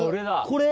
これ？